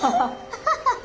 アハハハ。